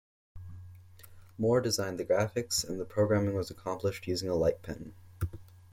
Moore designed the graphics, and programming was accomplished using a light pen.